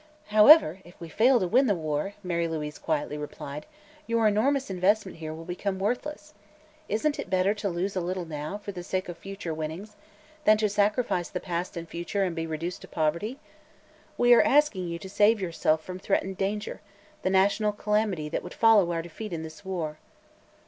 "However, if we fail to win the war," Mary Louise quietly replied, "your enormous investment here will become worthless. Isn't it better to lose a little now, for the sake of future winnings, than to sacrifice the past and future and be reduced to poverty? We are asking you to save yourself from threatened danger the national calamity that would follow our defeat in this war."